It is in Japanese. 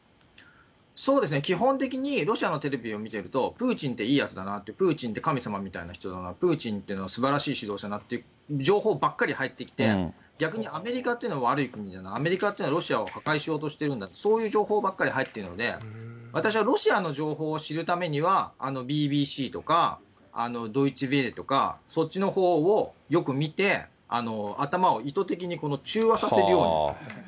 そうですね、基本的に、ロシアのテレビを見てると、プーチンっていいやつだなって、プーチンって神様みたいな人だな、プーチンというのはすばらしい指導者だなって情報ばっかり入ってきて、逆にアメリカっていうのは悪い国だな、アメリカっていうのはロシアを破壊しようとしてるんだって、そういう情報ばっかり入ってるので、私はロシアの情報を知るためにはＢＢＣとかとか、そっちのほうをよく見て、頭を意図的に中和させるように。